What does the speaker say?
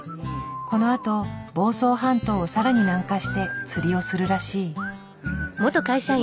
このあと房総半島を更に南下して釣りをするらしい。